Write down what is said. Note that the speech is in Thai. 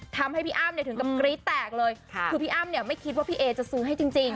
ทำให้พี่อ้ำเนี่ยถึงกับกรี๊ดแตกเลยค่ะคือพี่อ้ำเนี่ยไม่คิดว่าพี่เอจะซื้อให้จริง